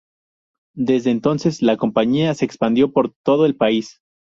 Desde entonces la compañía se expandió por todo el país.